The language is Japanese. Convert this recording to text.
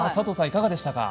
いかがでしたか？